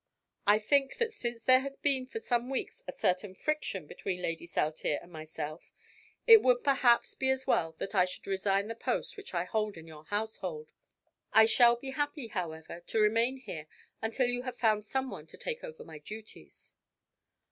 I think that since there has been for some weeks a certain friction between Lady Saltire and myself, it would perhaps be as well that I should resign the post which I hold in your household. I shall be happy, however, to remain here until you have found some one to take over my duties."